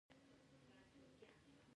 شريف دى هېڅکله دومره وارخطا نه و ليدلى.